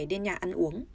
đến nhà ăn uống